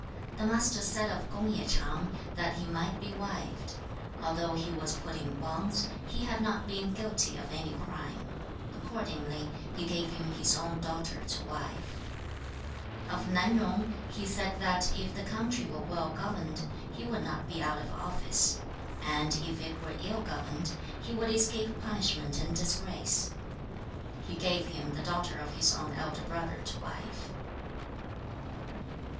The Master said of Kung ye Ch'ang that he might be wived; although he was put in bonds, he had not been guilty of any crime. Accordingly, he gave him his own daughter to wife. 2. Of Nan Yung he said that if the country were well governed 邦有道不廢/邦無道免於刑戮.以其兄之子妻之. [第二章]子謂子賤/君子哉若人/魯無君子者/斯焉取斯. [第三章]子貢問曰/賜也何如.子曰/女器也.曰/何器也.曰/瑚璉也. he would not be out of office, and if it were ill governed, he would escape punishment and disgrace. He gave him the daughter of his own elder brother to wife.